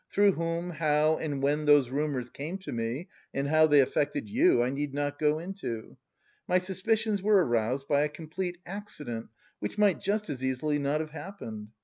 Through whom, how, and when those rumours came to me... and how they affected you, I need not go into. My suspicions were aroused by a complete accident, which might just as easily not have happened.